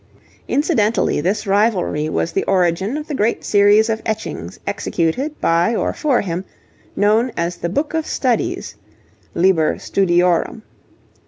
Incidentally this rivalry was the origin of the great series of etchings executed by or for him, known as The Book of Studies (Liber Studiorum).